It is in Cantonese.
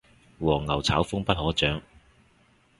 黃牛炒風不可長